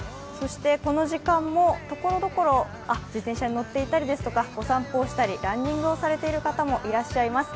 この時間もところどころ、自転車に乗っていたりですとか、お散歩したりランニングをされている方もいます。